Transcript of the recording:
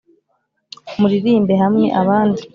muririmbe hamwe abandi